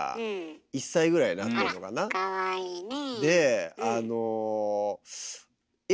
あらかわいいねえ。